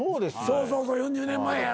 そうそうそう４０年前やろな。